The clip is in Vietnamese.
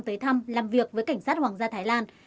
tới thăm làm việc với cảnh sát hoàng gia thái lan